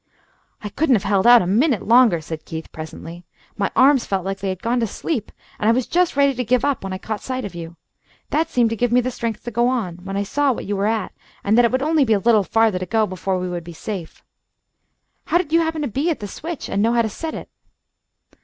"I couldn't have held out a minute longer," said Keith, presently. "My arms felt like they had gone to sleep, and I was just ready to give up when I caught sight of you. That seemed to give me strength to go on, when I saw what you were at and that it would only be a little farther to go before we would be safe. Plow did you happen to be at the switch, and know how to set it?"